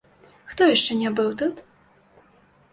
Хто яшчэ не быў тут?